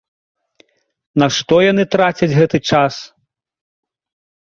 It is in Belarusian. На што яны трацяць гэты час?